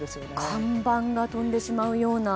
看板が飛んでしまうような。